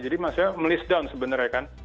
jadi mas yoris melist down sebenarnya kan